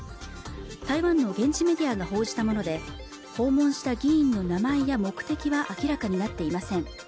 台湾の現地メディアが報じたもので訪問した議員の名前や目的は明らかになっていません